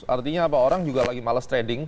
artinya apa orang juga lagi males trading